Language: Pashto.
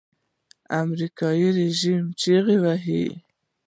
امريکايي ژړل چيغې يې وهلې.